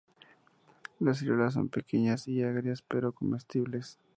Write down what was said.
Las ciruelas son pequeñas y agrias, pero comestibles.